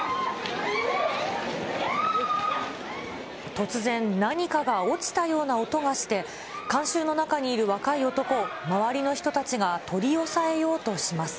突然、何かが落ちたような音がして、観衆の中にいる若い男を、周りの人たちが取り押さえようとします。